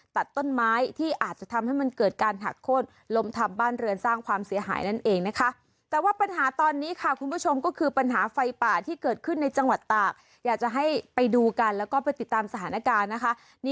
ตัดต้นไม้ที่อาจจะทำให้มันเกิดการหักโค้ด